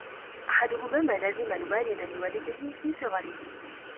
أَحَدُهُمَا مَا لَزِمَ الْوَالِدَ لِوَلَدِهِ فِي صِغَرِهِ